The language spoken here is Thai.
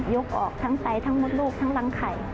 ยกออกทั้งไซส์ทั้งมดลูกทั้งรังไข่